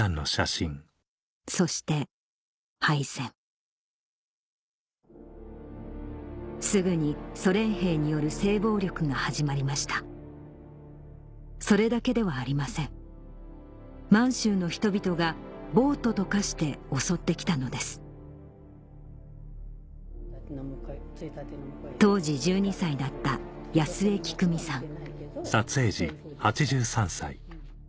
そして敗戦すぐにソ連兵による性暴力が始まりましたそれだけではありません満州の人々が暴徒と化して襲って来たのです当時１２歳だった安江菊美さん